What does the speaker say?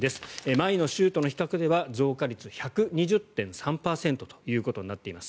前の週との比較では増加率１２０．３％となっています。